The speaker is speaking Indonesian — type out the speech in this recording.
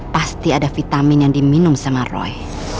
pasti ada vitamin yang diminum sama roy